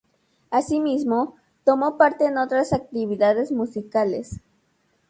Asimismo, tomó parte en otras actividades musicales.